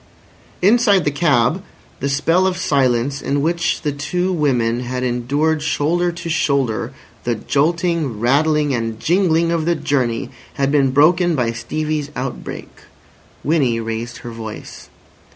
Inside the cab the spell of silence, in which the two women had endured shoulder to shoulder the jolting, rattling, and jingling of the journey, had been broken by Stevie's outbreak. Winnie raised her voice.